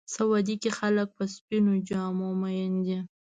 سعودي کې خلک په سپینو جامو مین دي.